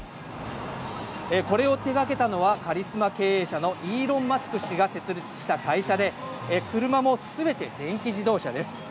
これを手がけたのは、カリスマ経営者のイーロン・マスク氏が設立した会社で、車もすべて電気自動車です。